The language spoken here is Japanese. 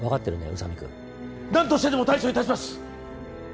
宇佐美くん何としてでも対処いたします！